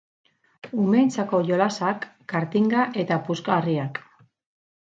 Umeentzako jolasak, kartinga eta puzgarriak.